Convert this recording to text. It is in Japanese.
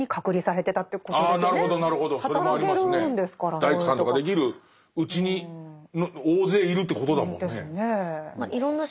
大工さんとかできるうちに大勢いるということだもんね。ですねえ。